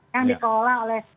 yang diperolah oleh